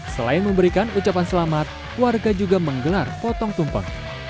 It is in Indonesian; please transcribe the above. selain memberikan ucapan selamat warga juga menggelar potong tumpeng